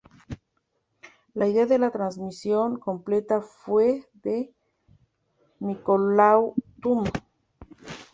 La idea de la transmisión completa fue de Nicolau Tuma.